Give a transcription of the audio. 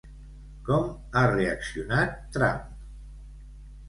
Com ha reaccionat Trump?